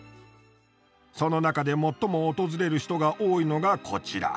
その中で最も訪れる人が多いのがこちら。